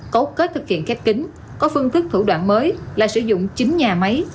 cấu kết thực hiện khép kính có phương thức thủ đoạn mới là sử dụng chính nhà máy